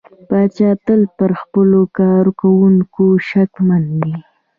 پاچا تل پر خپلو کارکوونکو شکمن وي .